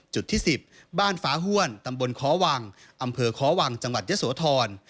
ที่๑๐บ้านฟ้าห้วนตำบลค้อวังอำเภอค้อวังจังหวัดยะโสธร